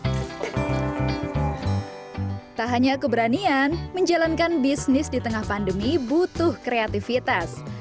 tak hanya keberanian menjalankan bisnis di tengah pandemi butuh kreativitas